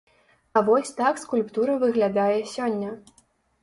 А вось так скульптура выглядае сёння.